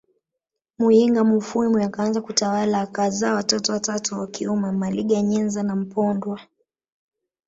Muyinga mufwimi akaanza kutawala akazaa watoto watatu wa kiume Maliga Nyenza na Mpondwa